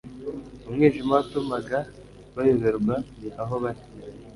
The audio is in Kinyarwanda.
Umwijima watumaga bayoberwa aho bari,